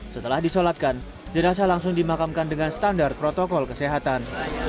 setelah disolatkan jenazah langsung dimakamkan dengan standar protokol kesehatan